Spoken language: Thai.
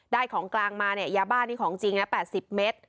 ของกลางมาเนี่ยยาบ้านี่ของจริงนะ๘๐เมตร